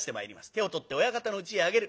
手を取って親方のうちへ上げる。